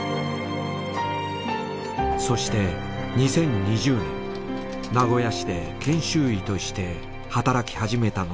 そして２０２０年名古屋市で研修医として働き始めたのです。